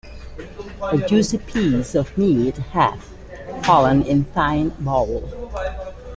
A juicy piece of meat hath fallen in thine bowl!